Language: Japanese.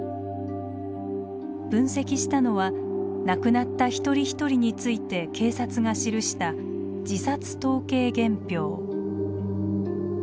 分析したのは亡くなった一人一人について警察が記した自殺統計原票。